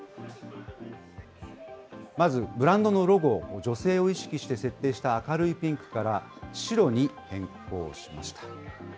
まずブランドのロゴを女性を意識して設定した明るいピンクから、白に変更しました。